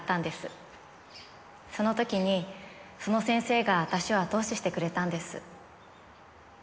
その時にその先生が私を後押ししてくれたんです。